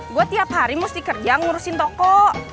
gue tiap hari mesti kerja ngurusin toko